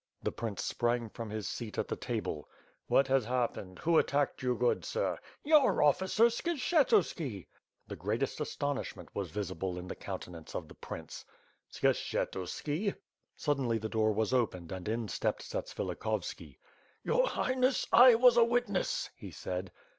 The prince sprang from his seat at the table. "What has happened? Who attacked you, good sir?" "Your officer, Skshetuski." The greatest astonishment was visible in the countenance of the prince. "Skshetuski!" Suddenly the door was opened and in stepped Zatsvili khovski. "Your Highness, I was a witness," he said.